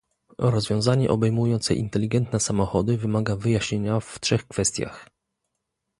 Rozwiązanie obejmujące inteligentne samochody wymaga wyjaśnienia w trzech kwestiach